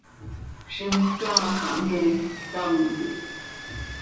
Zimjöc áa xah miifp, ctam quih.